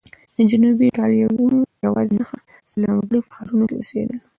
د جنوبي ایالتونو یوازې نهه سلنه وګړي په ښارونو کې اوسېدل.